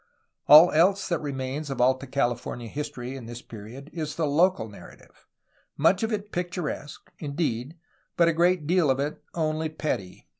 All else that remains of Alta Cali fornia history in this period is the local narrative, much of it picturesque, indeed, but a great deal of it only petty.